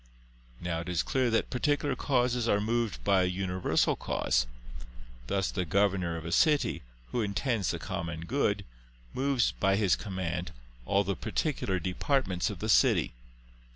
Now it is clear that particular causes are moved by a universal cause: thus the governor of a city, who intends the common good, moves, by his command, all the particular departments of the city.